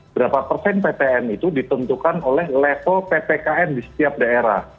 berapa persen ppn itu ditentukan oleh level ppkm di setiap daerah